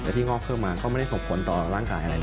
แต่ที่งอกเพิ่มมาก็ไม่ได้ส่งผลต่อร่างกายอะไรเลย